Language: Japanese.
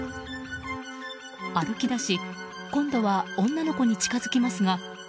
歩き出し今度は女の子に近づきますが。